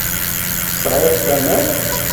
Tesɛiḍ tamert.